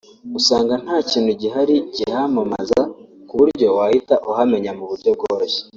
usanga nta kintu gihari kihamamaza ku buryo wahita uhamenya mu buryo bworoshye